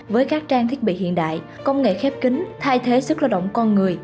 với các trang thiết bị hiện đại công nghệ khép kính thay thế sức lao động con người